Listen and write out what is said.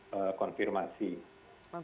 dan juga untuk pemeriksaan